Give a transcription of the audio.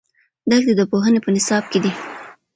دښتې د پوهنې په نصاب کې دي.